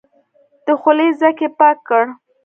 د خولې ځګ يې پاک کړ.